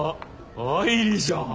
愛梨じゃん。